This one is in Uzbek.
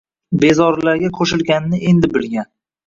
Bezorilarga qoʻshilganini endi bilgan